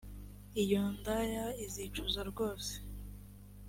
iyo ndaya izicuza rwose